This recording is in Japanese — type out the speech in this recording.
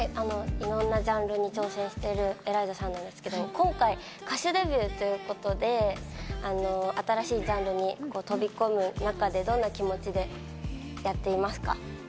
いろんなジャンルに挑戦しているＥＬＡＩＺＡさんですけど、今回歌手デビューということで、新しいジャンルに飛び込む中でどんな気持ちでやっていますか？